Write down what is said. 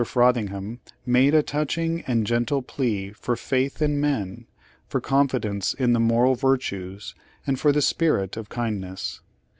Frothingham made a touch ing and gentle plea for faith in men, for confi dence in the moral virtues, and for the spirit of kindness.